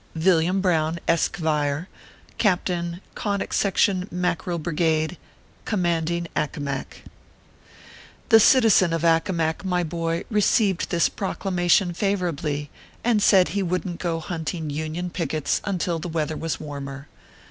VILLIAM BROWN, Eskevire, Captain Conic Section Mackerel Brigade, Commanding Accomac. ORPHEUS C. KERR PAPERS. 143 The citizen of Accomac, my boy, received this proclamation favorably, and said ho wouldn t go hunting Union pickets until the weather was warmer.